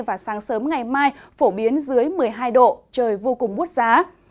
và sáng sớm ngày mai phổ biến dưới một mươi hai độ trời vô cùng bút giá